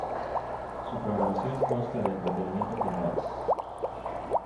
Su programación consta de entretenimiento general.